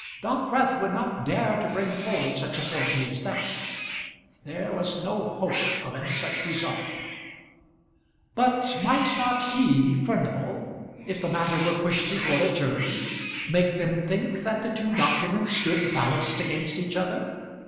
Dockwrath would not dare to bring forward such a forgery as that. There was no hope of any such result. But might not he, Furnival, if the matter were pushed before a jury, make them think that the two documents stood balanced against each other?